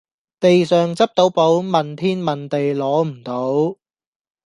地上執到寶，問天問地攞唔到